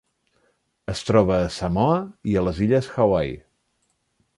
Es troba a Samoa i les illes Hawaii.